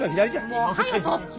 もうはよ撮って。